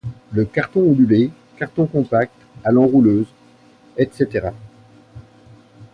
Le carton ondulé, carton compact, à l'enrouleuse, etc.